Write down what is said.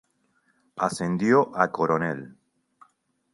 Ascendió a coronel.